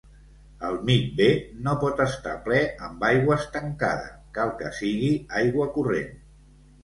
El micvé no pot estar ple amb aigua estancada, cal que sigui aigua corrent.